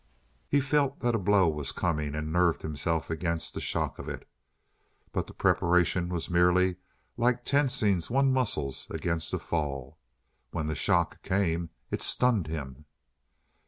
He felt that a blow was coming and nerved himself against the shock of it. But the preparation was merely like tensing one's muscles against a fall. When the shock came, it stunned him.